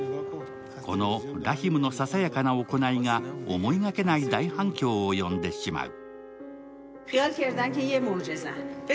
このラヒムのささやかな行いが思いがけない大反響を呼んでしまう。